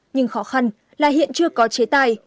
nhưng khó khăn là hiện chưa có chế tài